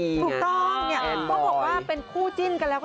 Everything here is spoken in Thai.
ถูกต้องเพราะว่าเป็นคู่จิ้นกันแล้ว